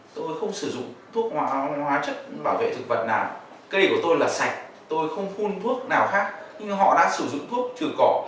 tôi không sử dụng thuốc hóa chất bảo vệ thực vật nào cây của tôi là sạch tôi không phun thuốc nào khác nhưng họ đã sử dụng thuốc trừ cỏ